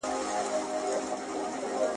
• اوبه پر لوړه وهه، کته په خپله ځي.